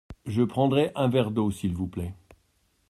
Je prendrai un verre d’eau s’il vous plait.